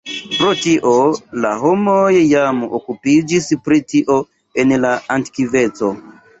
Pro tio la homoj jam okupiĝis pri tio en la antikveco.